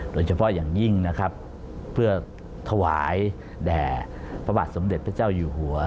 โดยเฉพาะอย่างยิ่งนะครับเพื่อถวายแด่พระบาทสมเด็จพระเจ้าอยู่หัว